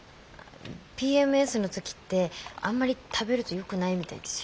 ＰＭＳの時ってあんまり食べるとよくないみたいですよ。